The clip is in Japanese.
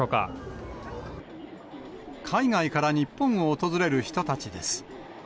海外から日本を訪れる人たちです。